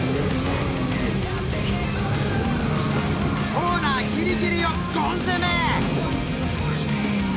コーナーギリギリをゴン攻め！